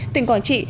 tỉnh quảng trị